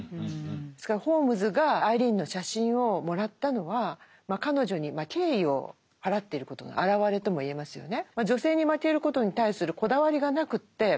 ですからホームズがアイリーンの写真をもらったのは彼女に敬意を払っていることの表れとも言えますよね。